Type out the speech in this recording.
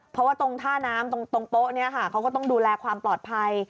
เพราะว่าตรงท่าน้ำตรงโป๊ะเนี่ยค่ะเขาก็ต้องดูแลความปลอดภัย